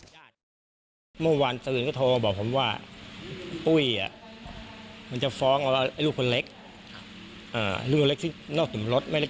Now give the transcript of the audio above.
อยากทำทีเบียดด้วยกันเนี้ยกูก็จะฟ้องนแล้วลอง